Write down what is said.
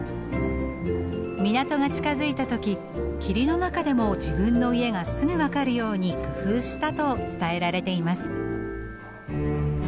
港が近づいた時霧の中でも自分の家がすぐ分かるように工夫したと伝えられています。